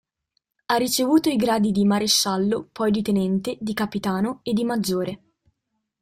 Ha ricevuto i gradi di maresciallo, poi di tenente, di capitano e di maggiore.